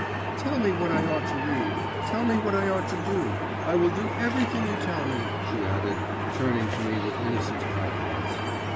…' 'Tell me what I ought to read? Tell me what I ought to do. I will do everything you tell me,' she added, turning to me with innocent confidence.